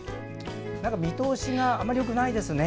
見通しがあまりよくないですね。